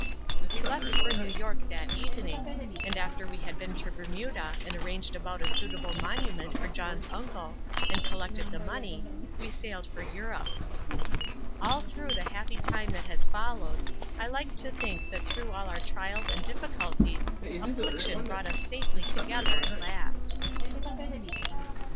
We left for New York that evening, and after we had been to Bermuda and arranged about a suitable monument for John's uncle and collected the money, we sailed for Europe. All through the happy time that has followed, I like to think that through all our trials and difficulties affliction brought us safely together at last.